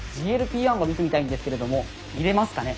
ＧＬＰ−１を見てみたいんですけれども見れますかね。